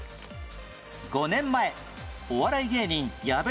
５年前お笑い芸人矢部